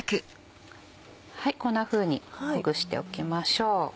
こんなふうにほぐしておきましょう。